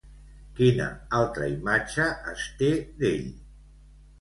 Quina altra imatge es té d'ell?